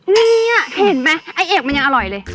นี่เห็นไหมไอ้เอกมันยังอร่อยเลย